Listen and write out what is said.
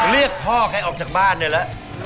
เรียกพ่อแค่ออกจากบ้านเลยละ